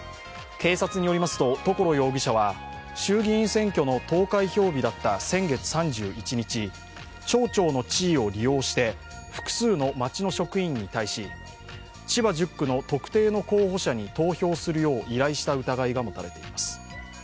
警察によりますと所容疑者は衆議院議員選挙の投開票日だった先月３１日町長の地位を利用して、複数の町の職員に対し千葉１０区の特定の候補者に投票するよう依頼した疑いが持たれています。